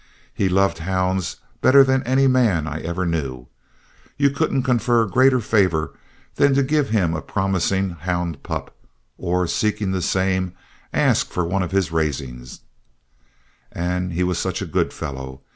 He loved hounds better than any man I ever knew. You couldn't confer greater favor than to give him a promising hound pup, or, seeking the same, ask for one of his raising. And he was such a good fellow.